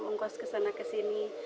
ungkos kesana kesini